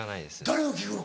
誰を聴くの？